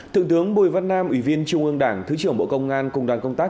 thượng tướng bùi văn nam ủy viên trung ương đảng thứ trưởng bộ công an cùng đoàn công tác